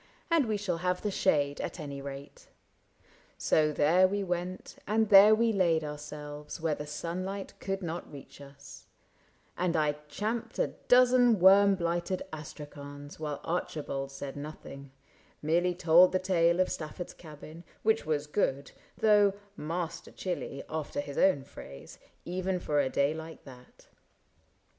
And we shall have the shade, at any rate." So there we went and there we laid ourselves Where the sunlight could not reach us ; and I champed A dozen of worm blighted astrakhans While Archibald said nothing — merely told The tale of Stafford's cabin, which was good, Though " master chilly "— after his own phrase — ISAAC AND ARCHIBALD 95 Even for a day like that.